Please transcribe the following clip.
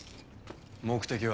目的は？